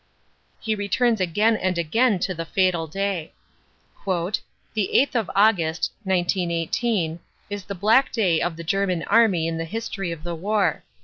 He returns again and again to the fatal day. "The eighth of August (1918) is the black day of the German Army in the history of the war.